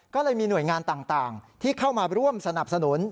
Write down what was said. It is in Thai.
ก็เลยมีหน่วยงานต่างที่เข้ามาร่วมสนับสนุน